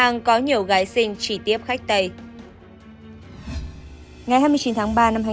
nhà hàng có nhiều gái sinh chỉ tiếp khách tẩy